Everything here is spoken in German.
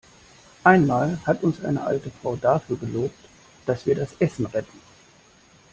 Einmal hat uns eine alte Frau dafür gelobt, dass wir das Essen retten.